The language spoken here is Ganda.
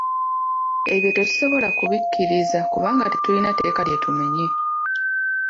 Ebyo tetusobola kubikkiriza kubanga tetulina tteeka lye tumenye.